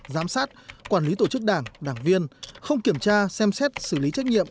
giám sát quản lý tổ chức đảng đảng viên không kiểm tra xem xét xử lý trách nhiệm